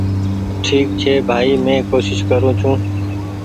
ٺيڪ ڇي ڀآئي مينٚ ڪوشش ڪررو ڇوٚنٚ